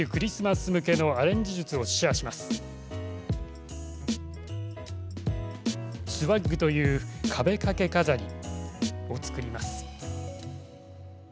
スワッグという壁掛け飾りを作ります。